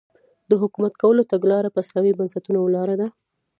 د حکومت کولو تګلاره په اسلامي بنسټونو ولاړه ده.